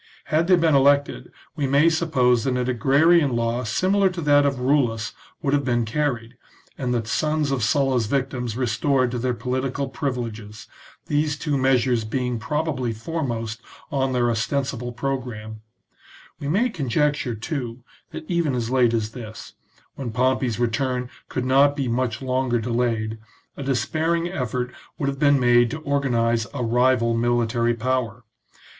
Had they been elected, we may suppose that an agrarian law similar to that of RuUus would have been carried. CONSPIRACY OF CATILINE. XXVII and the sons of Sulla's victims restored to their polit ical privileges, these two measures being probably foremost on their ostensible programme. We may conjecture, too, that even as late as this, when Pompey's return could not be much longer delayed, a despairing effort would have been made to organize a rival military power.